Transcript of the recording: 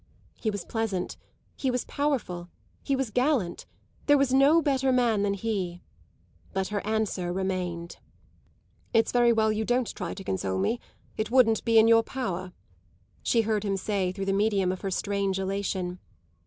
He was pleasant, he was powerful, he was gallant; there was no better man than he. But her answer remained. "It's very well you don't try to console me; it wouldn't be in your power," she heard him say through the medium of her strange elation.